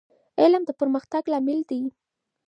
علم د پرمختګ لامل دی.